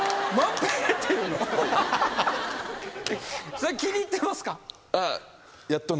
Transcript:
それ気に入ってますか？